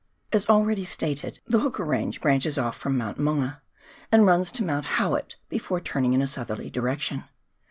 As already stated, the Hooker P^ange branches off from TWAIN EIVER. 2 So Mount Maunga, and runs to Mount Howitt before turning in a southerly direction.